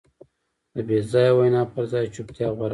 د بېځایه وینا پر ځای چوپتیا غوره ده.